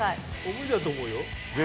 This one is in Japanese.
無理だと思うよ。